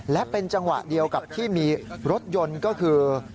และเป็นจังหวะเดียวกับที่มีรถยนต์ก็คือ